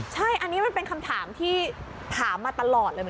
ใช่อันนี้มันเป็นคำถามที่ถามมาตลอดเลย